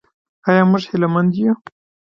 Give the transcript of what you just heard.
آیا موږ هیله مند یو؟